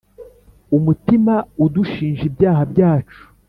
Umutima udushinja ibyaha byacu